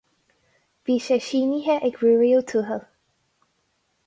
Bhí sé sínithe ag Ruaidhrí Ó Tuathail.